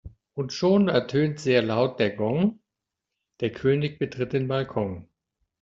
Und schon ertönt sehr laut der Gong, der König betritt den Balkon.